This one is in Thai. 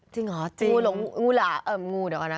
จริงเหรอจริงงูหลงงูหลาเอ่องูเดี๋ยวก่อนนะ